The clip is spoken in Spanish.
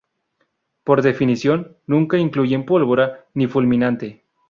Por definición, nunca incluyen pólvora ni fulminante.